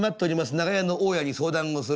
長屋の大家に相談をする。